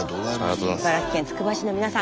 茨城県つくば市の皆さん